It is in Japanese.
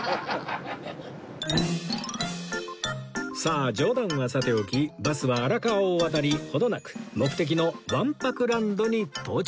さあ冗談はさておきバスは荒川を渡り程なく目的のわん泊ランドに到着です